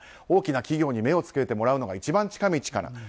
大きな企業に目をつけてもらえるのが一番近道かな。